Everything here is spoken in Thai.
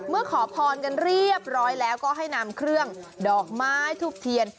ขอพรกันเรียบร้อยแล้วก็ให้นำเครื่องดอกไม้ทูบเทียน